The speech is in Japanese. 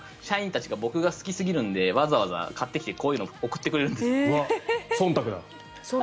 社員たちが僕が好きすぎるのでわざわざ買ってきてこういうのを贈ってくれるんです。